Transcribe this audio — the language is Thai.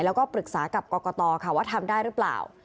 แล้วก็ปรึกษากับกรกตค่ะว่าทำได้หรือเปล่า